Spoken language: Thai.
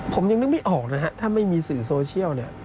ผมยังนึกไม่ออกนะครับแต่ไม่มีสื่อโซเชียล